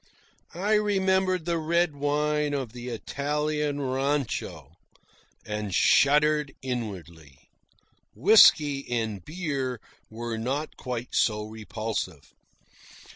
I remembered the red wine of the Italian rancho, and shuddered inwardly. Whisky and beer were not quite so repulsive.